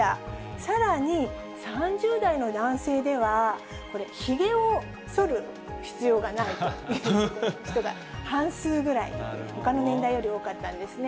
さらに、３０代の男性ではこれ、ひげをそる必要がないという人が半数ぐらい、ほかの年代より多かったんですね。